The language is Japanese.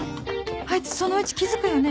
あいつそのうち気付くよね